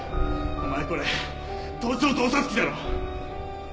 お前これ盗聴盗撮器だろ！